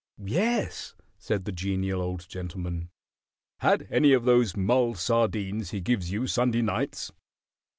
"Yes," said the Genial Old Gentleman. "Had any of those mulled sardines he gives you Sunday nights?"